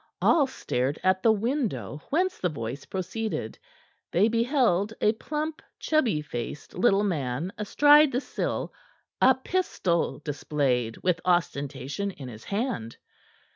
All stared at the window whence the voice proceeded. They beheld a plump, chubby faced little man, astride the sill, a pistol displayed with ostentation in his hand.